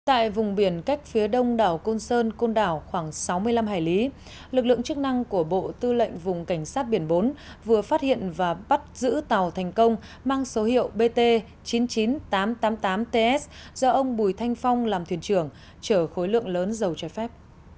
tại vùng biển cách phía đông đảo côn sơn côn đảo khoảng sáu mươi năm hải lý lực lượng chức năng của bộ tư lệnh vùng cảnh sát biển bốn vừa phát hiện và bắt giữ tàu thành công mang số hiệu bt chín mươi chín nghìn tám trăm tám mươi tám ts do ông bùi thanh phong làm thuyền trưởng chở khối lượng lớn dầu trái phép